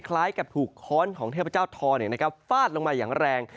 คล้ายกับถูกค้อนของเทพเจ้าทอฟาดลงมาอย่างแรง